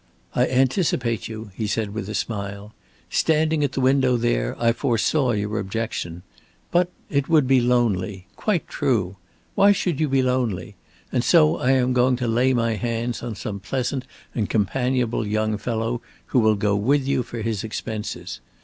"I anticipate you," he said, with a smile. "Standing at the window there, I foresaw your objection. But it would be lonely. Quite true. Why should you be lonely? And so I am going to lay my hands on some pleasant and companionable young fellow who will go with you for his expenses.